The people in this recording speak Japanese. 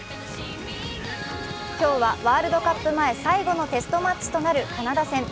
今日はワールドカップ前、最後のテストマッチとなるカナダ戦。